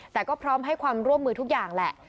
แต่ก็พร้อมให้ความร่วมมือทุกอย่างแหละ